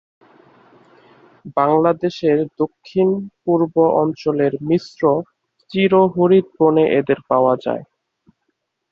বাংলাদেশের দক্ষিণ-পূর্ব অঞ্চলের মিশ্র-চিরহরিৎ বনে এদের পাওয়া যায়।